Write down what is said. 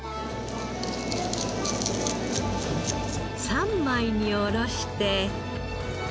三枚に下ろして。